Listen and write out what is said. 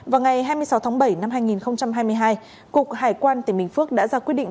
vào ngày hai mươi sáu tháng bảy năm hai nghìn hai mươi hai cục hải quan tỉnh bình phước đã ra quyết định